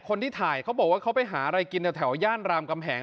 คนที่ถ่ายเขาบอกว่าเขาไปหาอะไรกินแถวย่านรามกำแหง